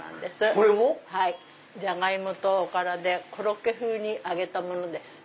これも⁉ジャガイモとおからでコロッケ風に揚げたものです。